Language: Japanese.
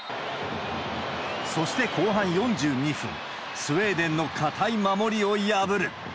そして後半４２分、スウェーデンの堅い守りを破る。